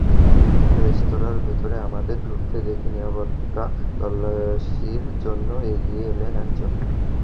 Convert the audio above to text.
রেস্তোরাঁর ভেতরে আমাদের ঢুকতে দেখে নিরাপত্তা তল্লাশির জন্য এগিয়ে এলেন একজন।